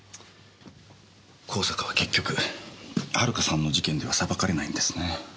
香坂は結局遥さんの事件では裁かれないんですね。